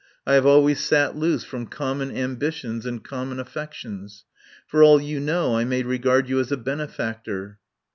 I have always sat loose from common ambitions and common affec tions. For all you know I may regard you as a benefactor."